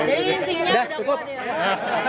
jadi instingnya sudah putih